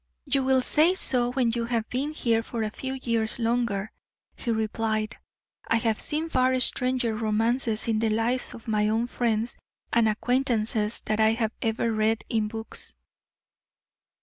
"You will say so when you have been here for a few years longer," he replied. "I have seen far stranger romances in the lives of my own friends and acquaintances than I have ever read in books."